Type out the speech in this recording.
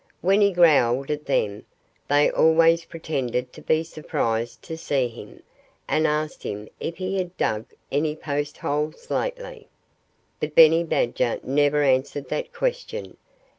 When he growled at them they always pretended to be surprised to see him, and asked him if he had "dug any post holes lately." But Benny Badger never answered that question.